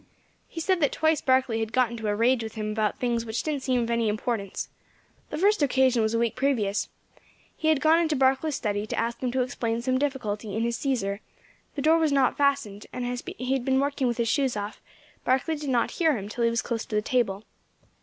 He said that twice Barkley had got into a rage with him about things which didn't seem of any importance. The first occasion was a week previous. He had gone into Barkley's study to ask him to explain some difficulty in his Cæsar; the door was not fastened, and as he had been working with his shoes off, Barkley did not hear him till he was close to the table.